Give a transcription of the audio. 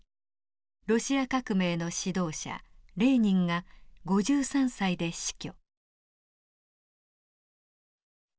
ロシア革命の指導者レーニンが５３歳で死去。